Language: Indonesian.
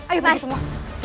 ayo pergi semua